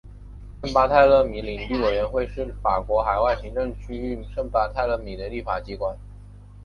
圣巴泰勒米领地委员会是法国海外行政区域圣巴泰勒米的立法机关。